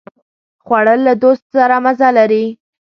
خوړل له دوست سره مزه لري